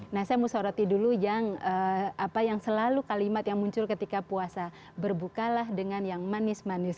nah saya mau soroti dulu yang selalu kalimat yang muncul ketika puasa berbukalah dengan yang manis manis